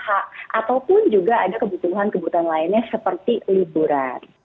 ataupun juga ada kebutuhan kebutuhan lainnya seperti liburan